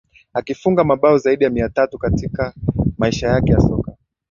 akifunga mabao zaidi ya mia tatu katika maisha yake ya soka